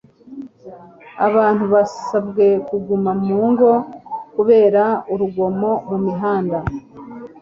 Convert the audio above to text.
abantu basabwe kuguma mu ngo kubera urugomo mu mihanda